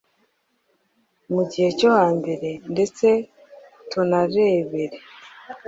mu gihe cyo hambere, ndetse tunarebere